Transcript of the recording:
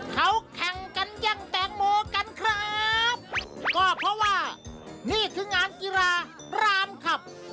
เขาแข่งกันแย่งแตงโมกันครับก็เพราะว่านี่คืองานกีฬารามขับ